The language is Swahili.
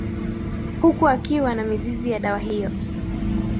Huku akiwa na mizizi ya dawa hiyo